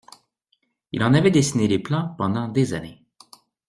Il en avait dessiné les plans pendant des années.